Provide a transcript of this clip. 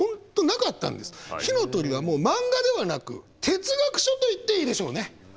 「火の鳥」はもう漫画ではなく哲学書と言っていいでしょうね。